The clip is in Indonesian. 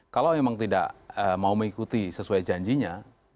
kalau memang tidak mau mengikuti sesuai janjinya